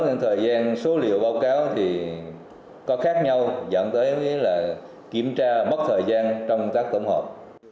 nên thời gian số liệu báo cáo thì có khác nhau dẫn tới kiểm tra mất thời gian trong các tổng hợp